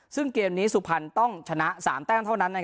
ซึ่งเกมนี้สุพรรณต้องชนะ๓แต้มเท่านั้น